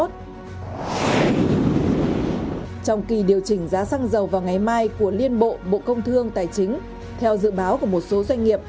trong kỳ điều chỉnh giá xăng dầu vào ngày mai của liên bộ bộ công thương tài chính theo dự báo của một số doanh nghiệp